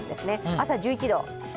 朝１１度。